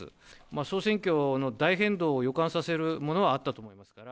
総選挙の大変動を予感させるものはあったと思いますから。